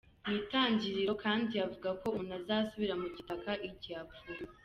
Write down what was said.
Mu itangiriro kandi havuga ko muntu azasubira mu gitaka igihe apfuye.